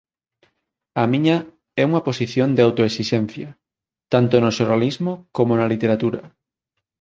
A miña é unha posición de autoesixencia, tanto no xornalismo como na literatura.